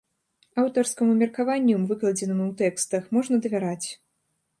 Аўтарскаму меркаванню, выкладзенаму ў тэкстах, можна давяраць.